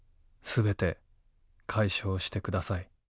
全て解消してください。